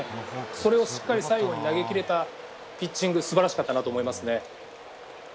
それをしっかり最後に投げ切れたピッチング素晴らしかったと思いますね。